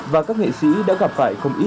và các nghệ sĩ đã gặp phải không ít